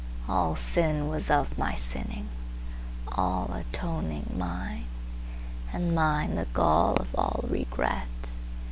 All sin was of my sinning, allAtoning mine, and mine the gallOf all regret.